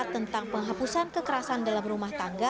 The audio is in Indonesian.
tentang penghapusan kekerasan dalam rumah tangga